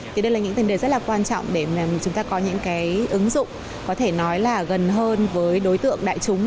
thì đây là những tiền đề rất là quan trọng để chúng ta có những cái ứng dụng có thể nói là gần hơn với đối tượng đại chúng